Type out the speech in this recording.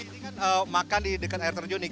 ini kan makan di dekat air terjun nih